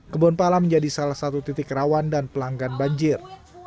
kebonpala menjadi salah satu titik rawan dan pelanggan banjir